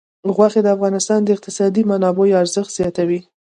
غوښې د افغانستان د اقتصادي منابعو ارزښت زیاتوي.